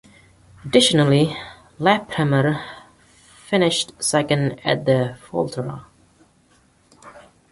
Additionally, Leipheimer finished second at the Vuelta.